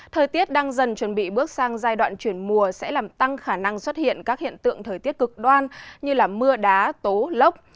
thời tiết đang dần chuẩn bị bước sang giai đoạn chuyển mùa sẽ làm tăng khả năng xuất hiện các hiện tượng thời tiết cực đoan như mưa đá tố lốc